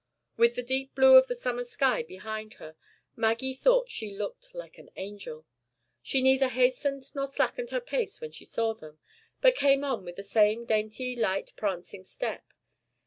With the deep blue of the summer sky behind her, Maggie thought she looked like an angel. She neither hastened nor slackened her pace when she saw them, but came on with the same dainty light prancing step.